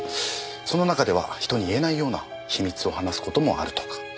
その中では人に言えないような秘密を話す事もあるとか。